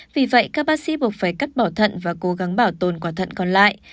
vì vậy các bác sĩ buộc phải cắt bỏ thận và cố gắng bảo tồn quả thận còn lại